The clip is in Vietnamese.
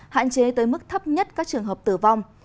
hạn chế tới mức thấp nhất các trường hợp tử vong